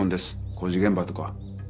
工事現場とか。